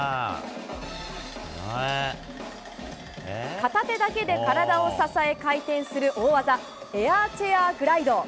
片手だけで体を支え回転する大技、エアーチェアーグライド。